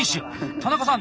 田中さん